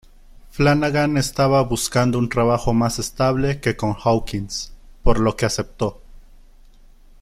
Flanagan estaba buscando un trabajo más estable que con Hawkins, por lo que aceptó.